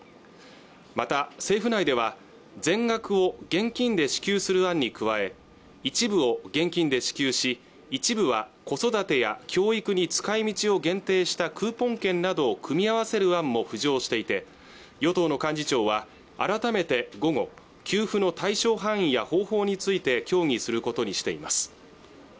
また政府内では全額を現金で支給する案に加え一部を現金で支給し一部は子育てや教育に使いみちを限定したクーポン券などを組み合わせる案も浮上していて与党の幹事長は改めて午後給付の対象範囲や方法について協議することにしています